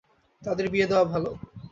তাদের বিয়ে দেয়ায় ভালো।